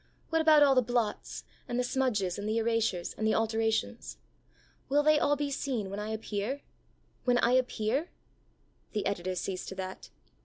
What about all the blots, and the smudges, and the erasures, and the alterations? Will they all be seen when I appear, when I appear? The Editor sees to that.